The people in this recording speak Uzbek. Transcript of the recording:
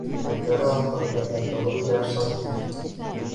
Ko‘pkari oxirida bakovul jar soldi: